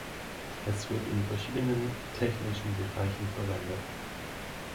Es wird in verschiedenen technischen Bereichen verwendet.